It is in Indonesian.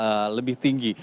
fonisnya lebih tinggi